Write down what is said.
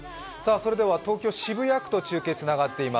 東京・渋谷区と中継がつながっています。